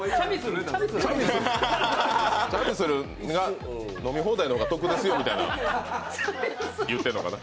チャミスルが飲み放題の方が得ですよみたいな言うてるのかな。